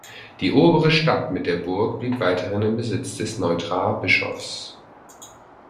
Die obere Stadt mit der Burg blieb weiterhin im Besitz des Neutraer Bischofs.